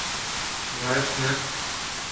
Vairs ne.